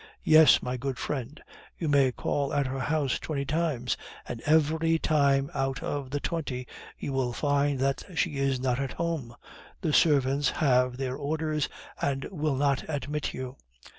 Yes, my good friend, you may call at her house twenty times, and every time out of the twenty you will find that she is not at home. The servants have their orders, and will not admit you.